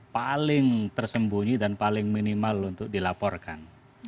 paling tersembunyi dan paling minimal untuk dilaporkan